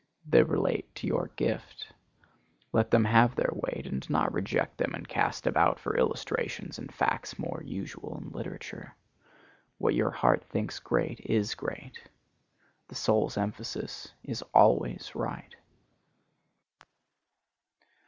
They relate to your gift. Let them have their weight, and do not reject them and cast about for illustration and facts more usual in literature. What your heart thinks great is great. The soul's emphasis is always right.